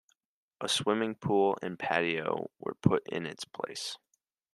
A swimming pool and patio were put in its place.